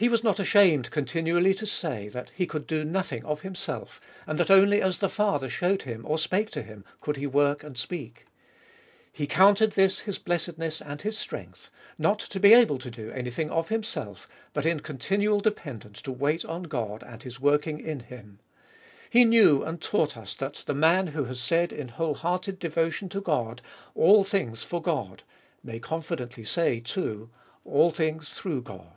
He was not ashamed continually to say that He could do nothing of Himself, and that only as the Father showed Him or spake to Him, could He work and speak. He counted this His blessedness and His strength — not to be able to do anything of Himself, but in continual dependence to wait on God and His working in Him. He knew and taught us that the man who has said in whole hearted devotion to God, " All things for God," may confidently say too, " All things through God."